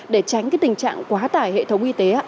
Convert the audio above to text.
để tránh tình trạng quá tải hệ thống y tế